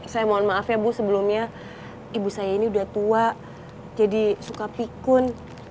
saya mohon maaf ya bu sebelumnya ibu saya ini udah tua jadi suka pikun